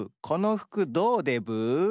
この服どうでブー？